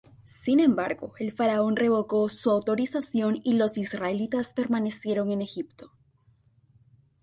Sin embargo, el faraón revocó su autorización y los Israelitas permanecieron en Egipto.